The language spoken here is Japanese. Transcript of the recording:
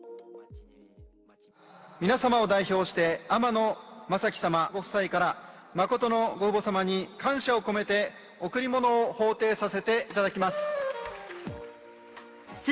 皆様を代表して、天野正基様ご夫妻から、真の御母様に感謝を込めて、贈り物を奉呈させていただきます。